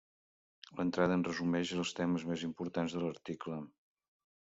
L'entrada en resumeix les temes més importants de l'article.